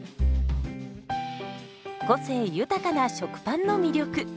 個性豊かな食パンの魅力。